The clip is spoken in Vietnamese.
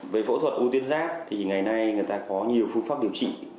về phẫu thuật ưu tuyến giáp thì ngày nay người ta có nhiều phương pháp điều trị